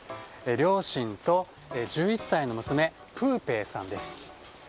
両親と、１１歳の娘プーペーさんです。